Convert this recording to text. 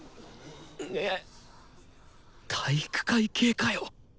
体育会系かよ。